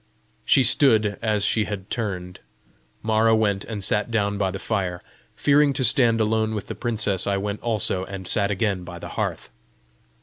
She stood as she had turned. Mara went and sat down by the fire. Fearing to stand alone with the princess, I went also and sat again by the hearth.